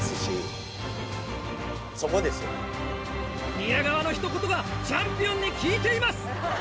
宮川のひと言がチャンピオンに効いています！